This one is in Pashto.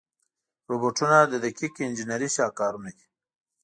روبوټونه د دقیق انجنیري شاهکارونه دي.